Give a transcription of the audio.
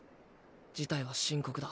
事態は深刻だ。